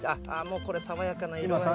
これ、爽やかな色で。